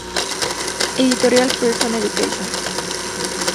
Editorial Pearson Education.